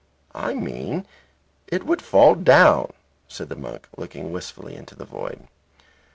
"I mean it would fall down," said the monk, looking wistfully into the void.